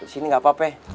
disini gak apa apa